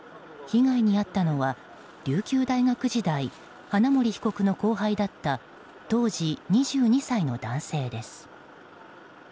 被害に遭ったのは、琉球大学時代花森被告の後輩だった当時２２歳の男性です。